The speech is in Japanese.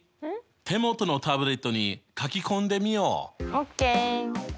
手元のタブレットに書き込んでみよう！ＯＫ！